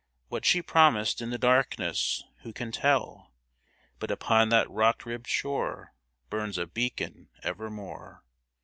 What she promised in the darkness, Who can tell ? But upon that rock ribbed shore Burns a beacon evermore